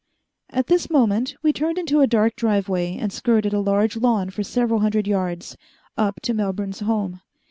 At this moment we turned into a dark driveway and skirted a large lawn for several hundred yards, up to Melbourne's home.